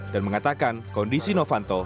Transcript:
dan mengatakan kondisi novanto